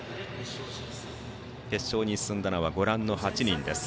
決勝に進んだのはご覧の８人です。